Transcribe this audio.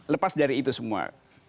lepas dari itu semua